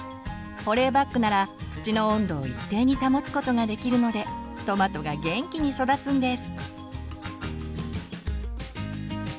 保冷バッグなら土の温度を一定に保つことができるのでトマトが元気に育つんです。